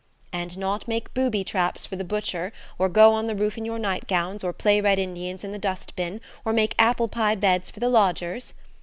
"And not make booby traps for the butcher, or go on the roof in your nightgowns, or play Red Indians in the dust bin, or make apple pie beds for the lodgers?"